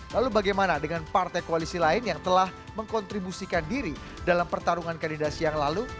lalu bagaimana dengan partai koalisi lain yang telah mengkontribusikan diri dalam pertarungan kandidasi yang lalu